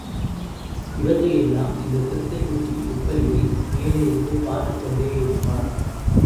இவற்றையெல்லாம் இந்தச் சிறுத்தைக் குட்டி உப்பரிகை மேலேயிருந்து பார்த்துக்கொண்டேயிருப்பாள்.